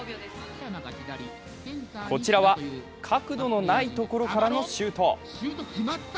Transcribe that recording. こちらは、角度のないところからのシュート。